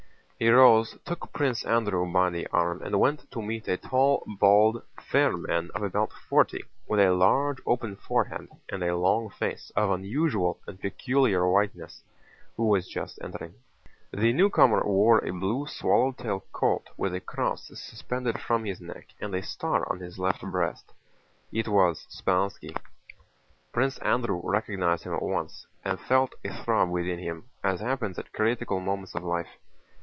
He rose, took Prince Andrew by the arm, and went to meet a tall, bald, fair man of about forty with a large open forehead and a long face of unusual and peculiar whiteness, who was just entering. The newcomer wore a blue swallow tail coat with a cross suspended from his neck and a star on his left breast. It was Speránski. Prince Andrew recognized him at once, and felt a throb within him, as happens at critical moments of life.